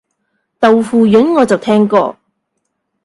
豆腐膶我就聽過